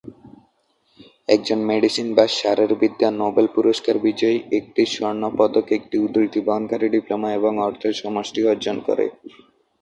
একজন মেডিসিন বা শারীরবিদ্যা নোবেল পুরস্কার বিজয়ী একটি স্বর্ণপদক, একটি উদ্ধৃতি বহনকারী ডিপ্লোমা, এবং অর্থের সমষ্টি অর্জন করে।